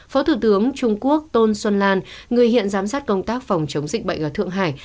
phó thủ tướng trung quốc tôn xuân lan người hiện giám sát công tác phòng chống dịch bệnh ở thượng hải